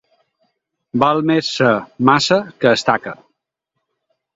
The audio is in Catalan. Val més ser maça que estaca.